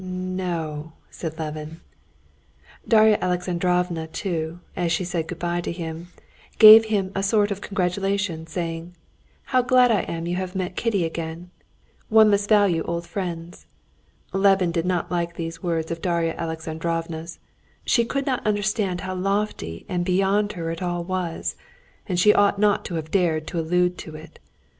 "N n no!" said Levin. Darya Alexandrovna too, as she said good bye to him, gave him a sort of congratulation, saying, "How glad I am you have met Kitty again! One must value old friends." Levin did not like these words of Darya Alexandrovna's. She could not understand how lofty and beyond her it all was, and she ought not to have dared to allude to it.